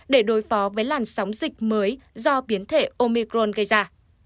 để đối phó với làn sóng dịch mới do biến thể omicron gây ra